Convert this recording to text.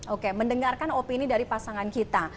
oke mendengarkan opini dari pasangan kita